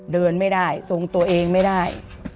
เดินไม่ได้ทรงตัวเองไม่ได้